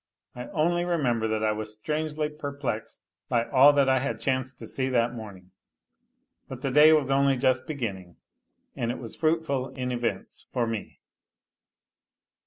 I only remember that I was strangely perplexed by all that I had chanced to see that morning. But the day was only just be ginning and it was fruitful in events for me.